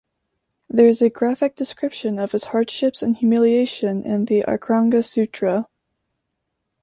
There is a graphic description of his hardships and humiliation in the "Acharanga Sutra".